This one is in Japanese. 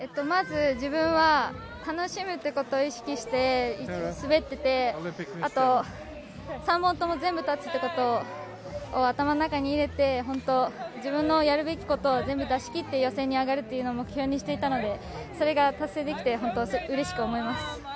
まず自分は楽しむということを意識して滑ってて、あと、３本とも全部、立つということを頭の中に入れて、自分のやるべきことを全部出し切って予選を上がるというのを目標にしていたのでそれが達成できてうれしく思います。